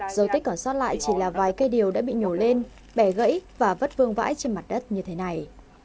dấu tích còn sót lại chỉ là vài cây điều đã bị nhổ lên bẻ gãy và vứt vương vãi trên mặt đất như thế này